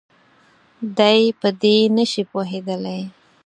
دی په دې نه شي پوهېدلی.